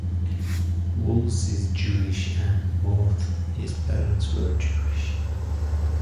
Wallace is Jewish and both his parents were Jewish.